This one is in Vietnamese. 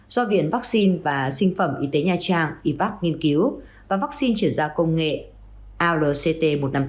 do viện vắc xin và sinh phẩm y tế nha trang ivac nghiên cứu và vắc xin chuyển gia công nghệ alct một trăm năm mươi bốn